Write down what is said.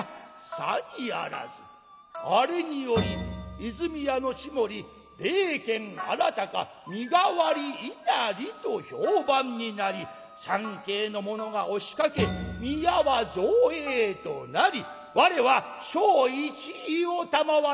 「さにあらずあれにより和泉屋の地守霊験あらたか身代わり稲荷と評判になり参詣の者が押しかけ宮は造営となり我は正一位を賜った」。